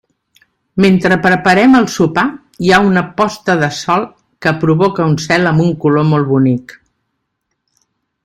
Mentre preparem el sopar, hi ha una posta de sol que provoca un cel amb un color molt bonic.